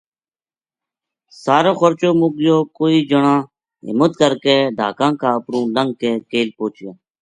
سارو خرچو مُک گیو کوئی جنا ہمت کر کے ڈھاکاں کا اُپروں لنگ کے کیل پوہچیا